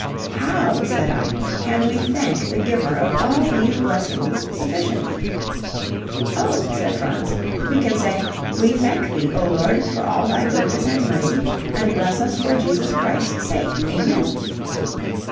"How," said I, "can we thank the Giver of all these blessings, sufficiently?" "Oh," said Franz, "we can say, 'We thank thee, O Lord, for all thy goodness and mercy; and bless us for Jesus Christ's sake. Amen.'"